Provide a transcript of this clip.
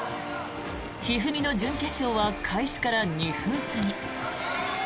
一二三の準決勝は開始から２分過ぎ。